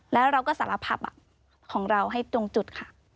แล้วเราก็สารภาพของเราให้ตรงจุดค่ะ